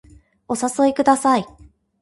お誘いください